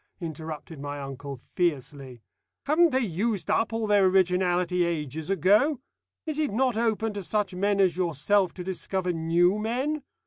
interrupted my uncle fiercely. "Haven't they used up all their originality ages ago? Is it not open to such men as yourself to discover new men?